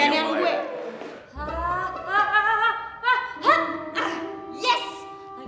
lebayang lah ya lebayang